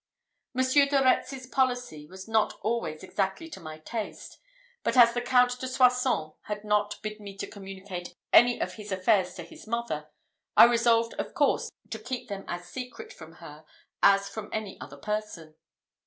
Monsieur de Retz's policy was not always exactly to my taste; but as the Count de Soissons had not bid me to communicate any of his affairs to his mother, I resolved of course to keep them as secret from her as from any other person.